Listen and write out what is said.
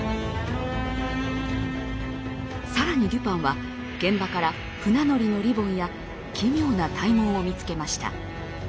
更にデュパンは現場から船乗りのリボンや奇妙な体毛を見つけました。